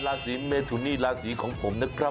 ราศีเมทุนนี่ราศีของผมนะครับ